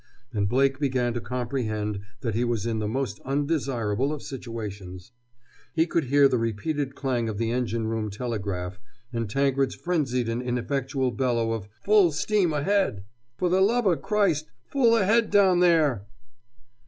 And Blake began to comprehend that he was in the most undesirable of situations. He could hear the repeated clang of the engine room telegraph and Tankred's frenzied and ineffectual bellow of "Full steam ahead! For the love o' Christ, full ahead down there!"